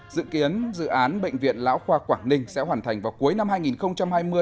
dự kiến dự án bệnh viện lão khoa quảng ninh sẽ hoàn thành vào cuối năm hai nghìn hai mươi